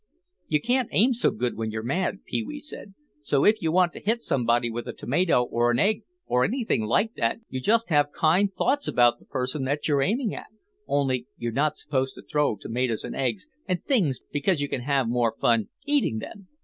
"You can't aim so good when you're mad," Pee wee said, "so if you want to hit somebody with a tomato or an egg or anything like that you must have kind thoughts about the person that you're aiming at, only you're not supposed to throw tomatoes and eggs and things because you can have more fun eating them.